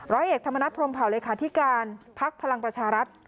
ร้อยเอกธรรมนัฐพรมเผาเลขาธิการภักดิ์พลังประชารัฐ